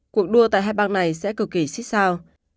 cuộc đua tại hai bang này sẽ cực kỳ xích sao